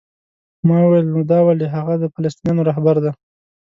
ما وویل: نو دا ولې؟ هغه د فلسطینیانو رهبر دی؟